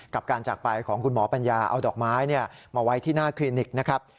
กับการจากไปของคุณหมอปัญญาเอาดอกไม้มาไว้ที่หน้าคลินิกนะครับ